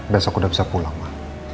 besok aku udah bisa pulang ma